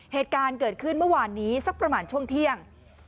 เหตุการณ์เกิดขึ้นเมื่อวานนี้สักประมาณช่วงเที่ยง